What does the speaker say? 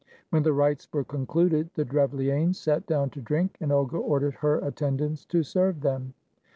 When the rites were concluded, the Drevlianes sat down to drink, and Olga ordered her at tendants to serve them.